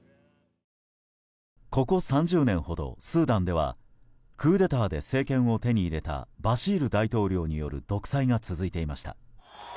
ここ３０年ほどスーダンではクーデターで政権を手に入れたバシール大統領による独裁が続いていました。